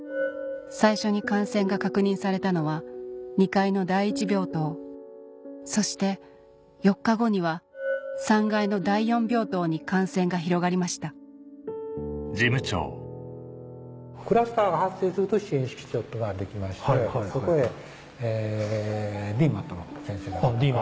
最初に感染が確認されたのは２階の第１病棟そして４日後には３階の第４病棟に感染が広がりましたそこへ。